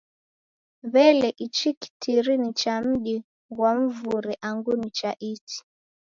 W'ele ichi kitiri ni cha mdi ghwa mvure angu ni cha iti?